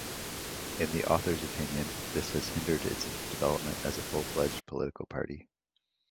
In the author's opinion, this has hindered its development as a full-fledged political party.